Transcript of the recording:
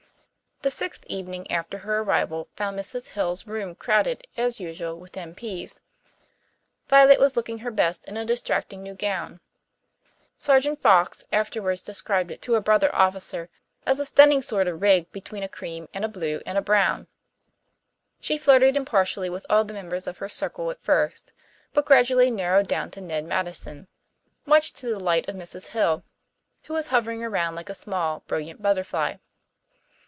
The sixth evening after her arrival found Mrs. Hill's room crowded, as usual, with M.P.s. Violet was looking her best in a distracting new gown Sergeant Fox afterwards described it to a brother officer as a "stunning sort of rig between a cream and a blue and a brown"; she flirted impartially with all the members of her circle at first, but gradually narrowed down to Ned Madison, much to the delight of Mrs. Hill, who was hovering around like a small, brilliant butterfly.